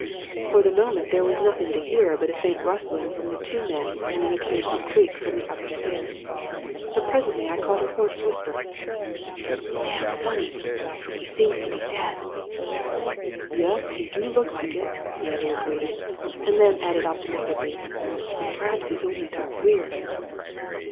"For the moment there was nothing to hear but a faint rustling from the two men and an occasional creak from the upper stairs. But presently I caught a hoarse whisper. "'Dam funny. He seems to be dead.' "'Yus; he do look like it,' the other agreed and then added optimistically, 'but p'raps he's only took queer.'